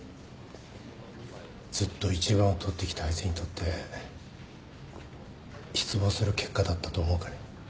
ずっと１番を取ってきたあいつにとって失望する結果だったと思うかね？